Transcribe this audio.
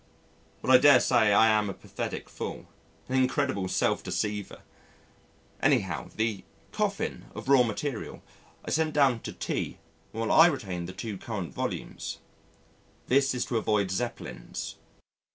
But I dare say I am a pathetic fool an incredible self deceiver! Anyhow the "coffin" of raw material I sent down to T while I retain the two current volumes. This is to avoid Zeppelins.